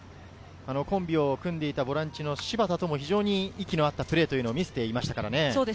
コンビを組んでいたボランチの柴田とも息の合ったプレーを見せていました。